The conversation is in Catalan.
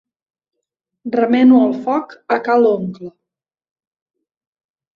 Remeno el foc a ca l'oncle.